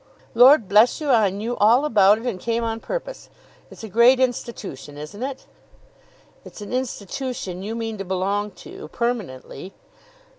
"Lord bless you, I knew all about it, and came on purpose. It's a great institution; isn't it?" "It's an institution you mean to belong to, permanently."